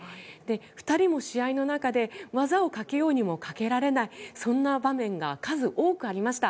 ２人も試合の中で技をかけようにもかけられない、そんな場面が数多くありました。